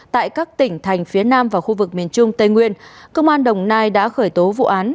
tại các tỉnh thành phía nam và khu vực miền trung tây nguyên công an đồng nai đã khởi tố vụ án